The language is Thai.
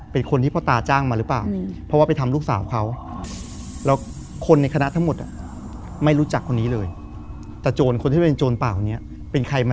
เป็นคนที่พ่อตาจ้างมาหรือเปล่า